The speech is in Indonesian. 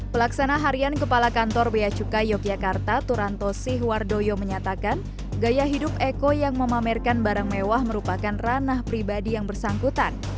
pelaksana harian kepala kantor beacuka yogyakarta turanto sihwardoyo menyatakan gaya hidup eko yang memamerkan barang mewah merupakan ranah pribadi yang bersangkutan